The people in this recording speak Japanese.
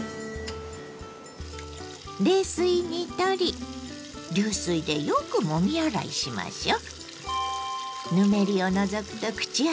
冷水にとり流水でよくもみ洗いしましょう。